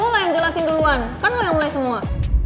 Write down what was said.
kamu mah yang jelasin duluan kan lo yang mulai semua